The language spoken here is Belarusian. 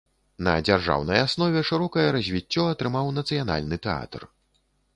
На дзяржаўнай аснове шырокае развіццё атрымаў нацыянальны тэатр.